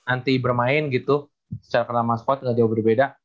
anti bermain gitu secara kenama spot gak jauh berbeda